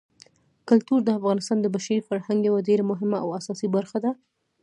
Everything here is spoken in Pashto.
کلتور د افغانستان د بشري فرهنګ یوه ډېره مهمه او اساسي برخه ده.